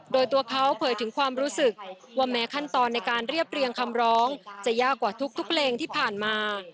โดยตัวเขาเผยถึงความรู้สึกว่าแม้ขั้นตอนในการเรียบเรียงคำร้องจะยากกว่าทุกเพลงที่ผ่านมา